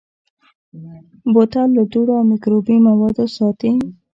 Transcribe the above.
بوتل له دوړو او مکروبي موادو ساتي.